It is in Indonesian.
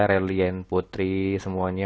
relian putri semuanya